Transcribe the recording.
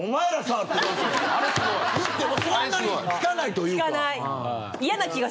言ってもそんなに引かないというか。